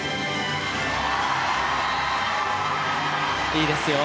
いいですよ！